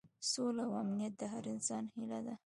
سوله او امنیت د هر انسان هیله ده.